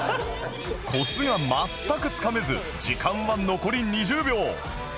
コツが全くつかめず時間は残り２０秒